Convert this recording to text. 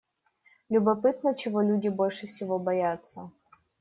Любопытно, чего люди больше всего боятся?